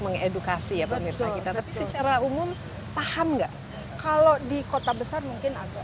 mengedukasi ya pemirsa kita tapi secara umum paham nggak kalau di kota besar mungkin agak